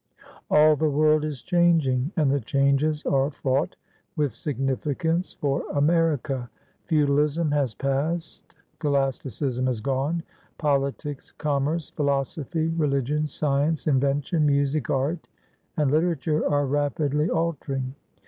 All the world is changing, and the changes are fraught with significance for America. Feudalism has passed; scholasticism has gone; politics, com merce, philosophy, religion, science, invention, music, art, and literature are rapidly altering.